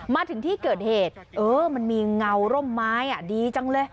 มาถึงที่เกิดเหตุเออมันมีเงาร่มไม้ดีจังเลย